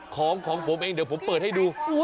ของของผมเองเดี๋ยวผมเปิดให้ดู